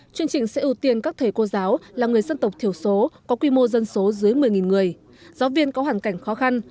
chương trình sẽ ưu tiên các thầy cô giáo là người dân tộc thiểu số có quy mô dân số dưới một mươi người giáo viên có hoàn cảnh khó khăn